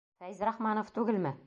Фәйзрахманов түгелме?